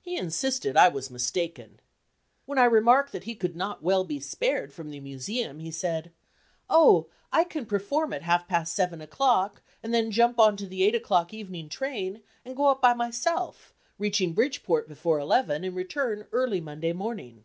He insisted I was mistaken. When I remarked that he could not well be spared from the Museum, he said: "Oh! I can perform at half past seven o'clock, and then jump on to the eight o'clock evening train, and go up by myself, reaching Bridgeport before eleven, and return early Monday morning."